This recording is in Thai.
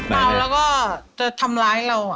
เมาแล้วก็จะทำร้ายเรา